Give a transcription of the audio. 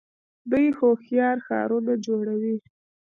دوی هوښیار ښارونه جوړوي.